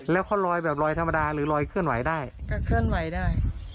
แล้วเขาลอยแบบลอยธรรมดาหรือลอยเคลื่อนไหวได้ก็เคลื่อนไหวได้